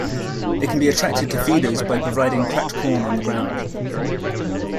They can be attracted to feeders by providing cracked corn on the ground.